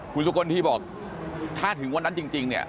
คุณสุกลทีบอกถ้าถึงวันนั้นจริงเนี่ย